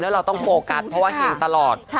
แล้วเราต้องโฟกัสเพราะว่าเห็นตลอด